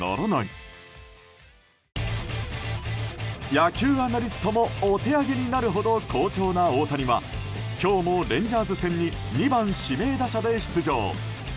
野球アナリストもお手上げになるほど好調な大谷は今日もレンジャーズ戦に２番指名打者で出場。